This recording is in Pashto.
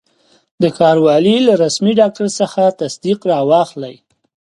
د ښاروالي له رسمي ډاکټر څخه تصدیق را واخلئ.